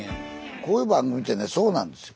こういう番組ってねそうなんですよ。